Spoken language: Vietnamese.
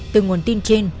từ nguồn tin trên